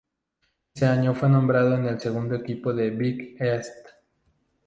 Ese año fue nombrado en el segundo equipo del Big East.